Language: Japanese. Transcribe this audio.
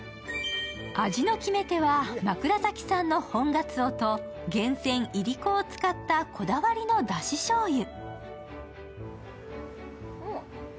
味の決め手は枕崎産の本がつおと厳選いりこを使ったこだわりのだししょうゆ。